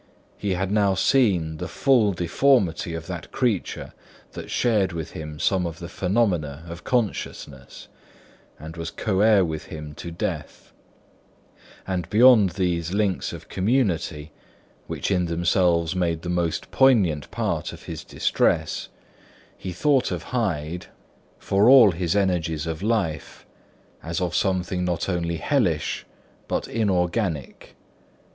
He had now seen the full deformity of that creature that shared with him some of the phenomena of consciousness, and was co heir with him to death: and beyond these links of community, which in themselves made the most poignant part of his distress, he thought of Hyde, for all his energy of life, as of something not only hellish but inorganic.